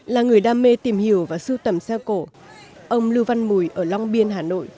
là người đam mê tìm hiểu và sưu tầm xe cổ ông lưu văn mùi ở long biên hà nội